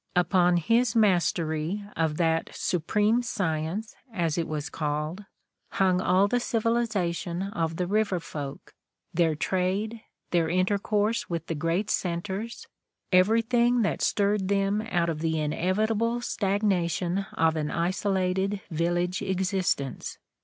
Upon his mastery of that "supreme science," as it was called, hung all the civilization of the river folk, their trade, their inter course with the great centers, everything that stirred them out of the inevitable stagnation of an isolated village existence.